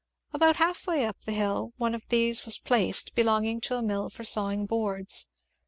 About half way up the hill one of these was placed, belonging to a mill for sawing boards.